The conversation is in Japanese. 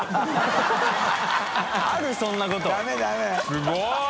すごい。